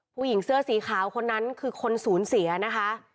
ผู้หญิงเสื้อสีขาวคนนั้นคือคนศูนย์เสียนะคะ